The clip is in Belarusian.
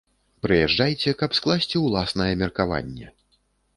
Прыязджайце, каб скласці ўласнае меркаванне!